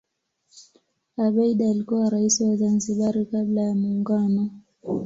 abeid alikuwa rais wa zanzibar kabla ya muungano